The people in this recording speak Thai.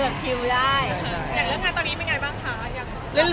อย่างเรื่องงานตอนนี้เป็นยังไงบ้างคะ